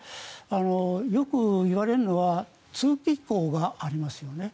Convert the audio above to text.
よく言われるのは通気口がありますよね。